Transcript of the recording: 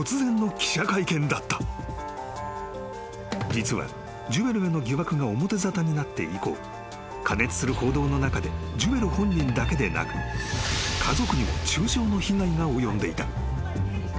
［実はジュエルへの疑惑が表沙汰になって以降過熱する報道の中でジュエル本人だけでなく家族にも中傷の被害が及んでいた］